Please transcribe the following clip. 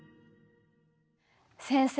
先生